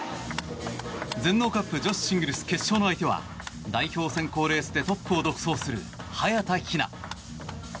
全農ＣＵＰ女子シングルス決勝の相手は代表選考レースでトップを独走する早田ひな。